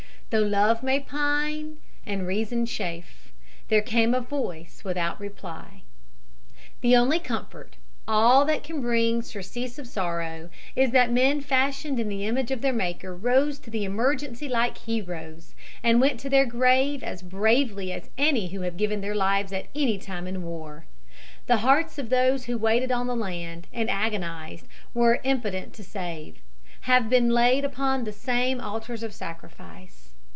"Though Love may pine, and Reason chafe, There came a Voice without reply." The only comfort, all that can bring surcease of sorrow, is that men fashioned in the image of their Maker rose to the emergency like heroes, and went to their grave as bravely as any who have given their lives at any time in war. The hearts of those who waited on the land, and agonized, and were impotent to save, have been laid upon the same altars of sacrifice.